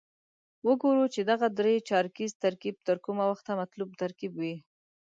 وګورو چې دغه درې چارکیز ترکیب تر کومه وخته مطلوب ترکیب وي.